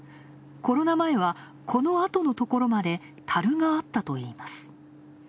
コロナ前は、この跡のところまでたるがあったといいます。